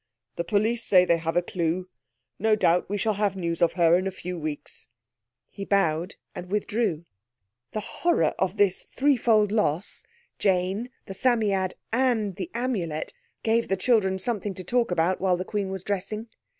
The police say they have a clue. No doubt we shall have news of her in a few weeks." He bowed and withdrew. The horror of this threefold loss—Jane, the Psammead, and the Amulet—gave the children something to talk about while the Queen was dressing.